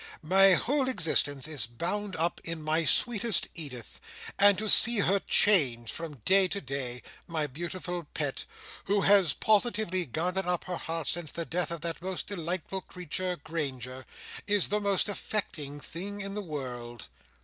My whole existence is bound up in my sweetest Edith; and to see her change from day to day—my beautiful pet, who has positively garnered up her heart since the death of that most delightful creature, Granger—is the most affecting thing in the world."